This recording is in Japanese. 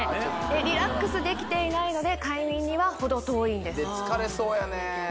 リラックスできていないので快眠には程遠いんですで疲れそうやね